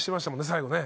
最後ね。